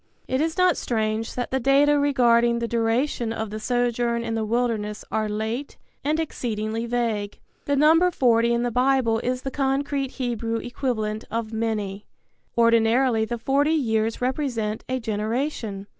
It is not strange that the data regarding the duration of the sojourn in the wilderness are late and exceedingly vague. The number forty in the Bible is the concrete Hebrew equivalent of many. Ordinarily the forty years represent a generation.